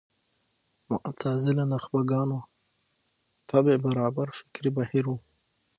معتزله نخبه ګانو طبع برابر فکري بهیر و